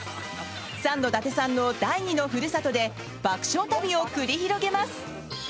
サンド伊達さんの第二の故郷で爆笑旅を繰り広げます。